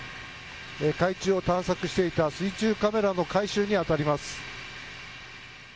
海中を探索していた水中カメラの回収に当たります。